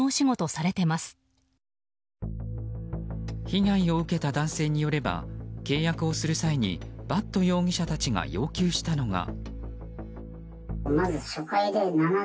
被害を受けた男性によれば契約をする際に伐渡容疑者たちが要求したのが。